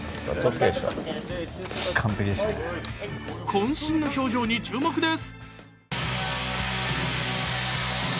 こん身の表情に注目です。